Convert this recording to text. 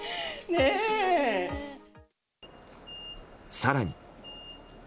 更に。